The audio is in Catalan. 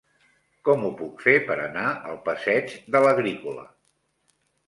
Com ho puc fer per anar al passeig de l'Agrícola?